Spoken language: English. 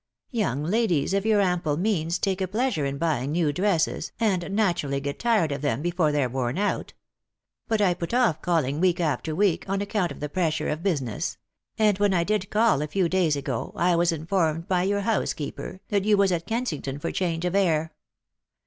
Young ladies of your ample means take a pleasure in buying new dresses, and naturally get tired of them before they're worn out. But I put off calling week after week, on account of the pressure of business ; and when I did call a few days ago, I was informed by your housekeeper that you was at Kensington for change of air.